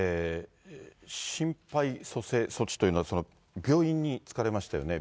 心肺蘇生措置というのは、病院に着かれましたよね。